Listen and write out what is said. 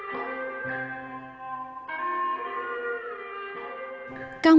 nông thôn đổi mới